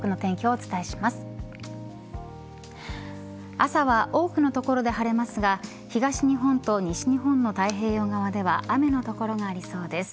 朝は多くの所で晴れますが東日本と西日本の太平洋側では雨の所がありそうです。